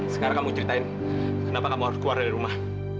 sekarang kamu ceritain kenapa kamu harus keluar dari rumah